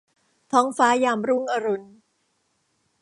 ท้องฟ้ายามรุ่งอรุณ